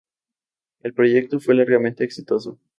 El proyecto fue largamente exitoso.